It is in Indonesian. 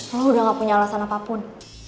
aku udah gak punya alasan apapun